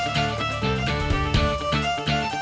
berat jangan bang